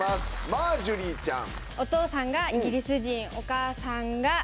マージュリーちゃん。